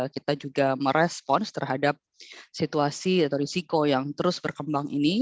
kita juga merespons terhadap situasi atau risiko yang terus berkembang ini